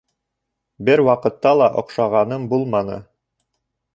Бер ваҡытта ла оҡшағаным булманы.